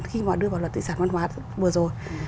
khi mà đưa vào luật tự sản văn hóa vừa rồi